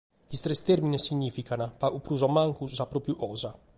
Is tres tèrmines signìficant, pagu prus o mancu, sa pròpiu cosa.